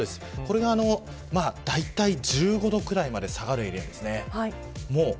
これが、だいたい１５度くらいまで下がる予想です。